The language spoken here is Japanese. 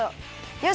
よし！